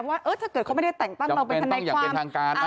ว่าถ้าเกิดเขาไม่ได้แต่งตั้งเราเป็นทความ